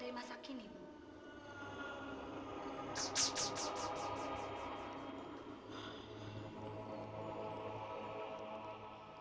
dari masa kini you